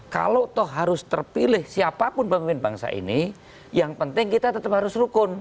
kalau toh harus terpilih siapapun pemimpin bangsa ini yang penting kita tetap harus rukun